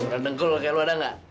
rendeng gue kayak lo ada gak